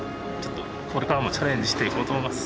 これからもチャレンジしていこうと思います。